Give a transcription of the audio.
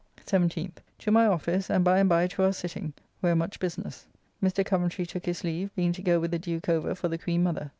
17th. To my office, and by and by to our sitting; where much business. Mr. Coventry took his leave, being to go with the Duke over for the Queen Mother.